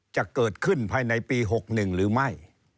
จะเกิดขึ้นภายในปี๖๑หรือไม่